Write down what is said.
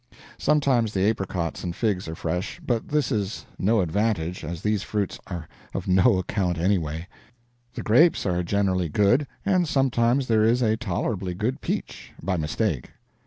Sometimes the apricots and figs are fresh, but this is no advantage, as these fruits are of no account anyway. The grapes are generally good, and sometimes there is a tolerably good peach, by mistake.